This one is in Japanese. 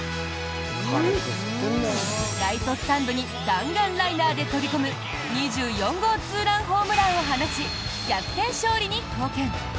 ライトスタンドに弾丸ライナーで飛び込む２４号ツーランホームランを放ち逆転勝利に貢献！